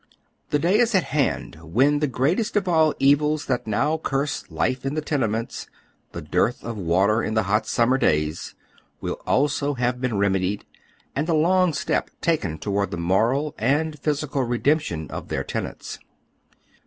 The day is at hand when the greatest of all evils that now curse life in the tenements— the dearth of water in the hot summer days — will also have oy Google 270 HOW THE OTHER HALF LIVES, been remedied, and a long step taken toward the moral and physical redemption of tlieir tenants.